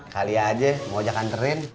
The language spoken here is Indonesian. kali aja mau ajak anterin